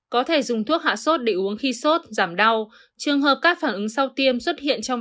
có thể dùng thuốc hạ sốt để uống khi sốt giảm đau trường hợp các phản ứng sau tiêm xuất hiện trong